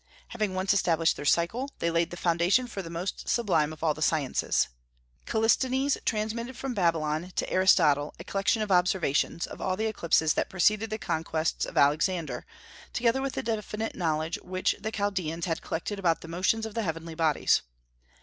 Having once established their cycle, they laid the foundation for the most sublime of all the sciences. Callisthenes transmitted from Babylon to Aristotle a collection of observations of all the eclipses that preceded the conquests of Alexander, together with the definite knowledge which the Chaldaeans had collected about the motions of the heavenly bodies.